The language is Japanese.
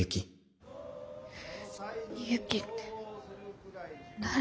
ユキって誰。